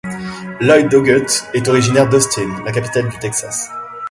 Lloyd Doggett est originaire d'Austin, la capitale du Texas.